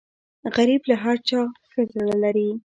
غریب له هر چا ښه زړه لري